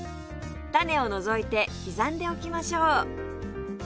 種を除いて刻んでおきましょう